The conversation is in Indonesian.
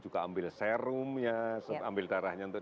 juga ambil serumnya ambil darahnya untuk